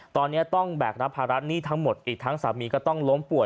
ตอนนี้ต้องแบกรับภาระหนี้ทั้งหมดอีกทั้งสามีก็ต้องล้มป่วย